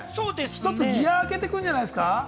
１つギアを上げてくんじゃないですか？